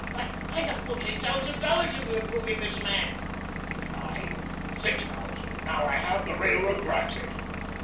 Why, I have put eight thousand dollars into improving this land." "And I six thousand, and now that I have, the Railroad grabs it."